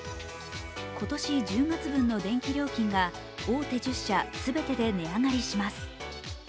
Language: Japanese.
今年１０月分の電気料金が大手１０社全てで値上がりします。